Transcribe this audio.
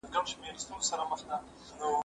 زه هره ورځ انځورونه رسم کوم؟!